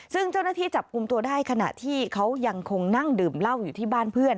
ซึ่งเจ้าหน้าที่จับกลุ่มตัวได้ขณะที่เขายังคงนั่งดื่มเหล้าอยู่ที่บ้านเพื่อน